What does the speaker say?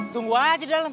tunggu aja di dalam